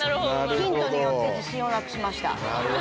ヒントによって自信をなくしました。